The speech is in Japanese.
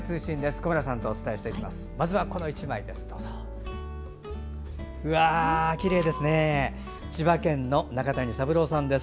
小村さんとお伝えしていきます。